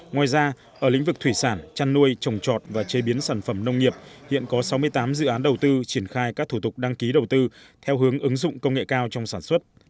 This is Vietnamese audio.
ngoài ra ở lĩnh vực thủy sản chăn nuôi trồng trọt và chế biến sản phẩm nông nghiệp hiện có sáu mươi tám dự án đầu tư triển khai các thủ tục đăng ký đầu tư theo hướng ứng dụng công nghệ cao trong sản xuất